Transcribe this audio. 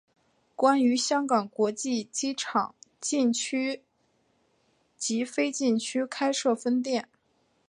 并于香港国际机场禁区及非禁区开设分店。